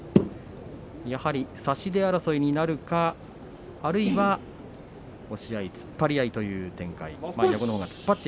やはり差し手争いになるかあるいは押し合い、突っ張り合いという展開